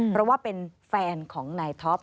เพราะว่าเป็นแฟนของนายท็อป